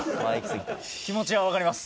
気持ちはわかります。